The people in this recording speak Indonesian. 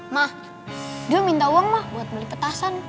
ma dio minta uang ma buat beli petasan